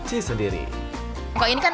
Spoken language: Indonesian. yang lebih menarik dari makanan makan yang di sini